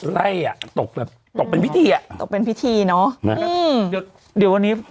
ไล่อ่ะตกแบบตกเป็นพิธีอ่ะตกเป็นพิธีเนอะนะครับเดี๋ยวเดี๋ยววันนี้